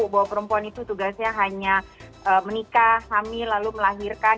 bahwa perempuan itu tugasnya hanya menikah hamil lalu melahirkan